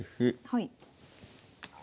はい。